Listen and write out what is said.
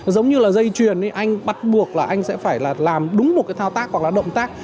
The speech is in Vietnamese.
giống như là dây chuyền thì anh bắt buộc là anh sẽ phải là làm đúng một cái thao tác hoặc là động tác